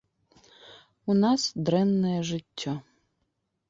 У нас дрэннае жыццё.